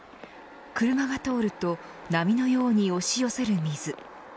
車が通ると波のように押し寄せる水。